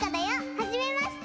はじめまして！